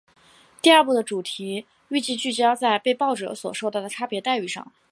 第二部的主题预计聚焦在被爆者所受到的差别待遇上。